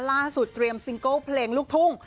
เตรียมซิงเกิลเพลงลูกทุ่ง